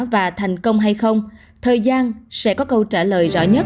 và thành công hay không thời gian sẽ có câu trả lời rõ nhất